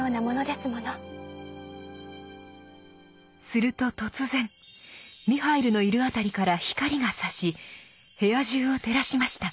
すると突然ミハイルのいる辺りから光がさし部屋中を照らしました。